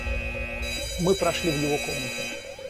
Мы прошли в его комнату.